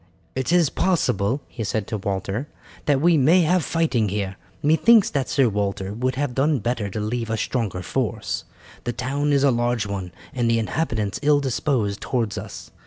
"It is possible," he said to Walter, "that we may have fighting here. Methinks that Sir Walter would have done better to leave a stronger force. The town is a large one, and the inhabitants ill disposed towards us.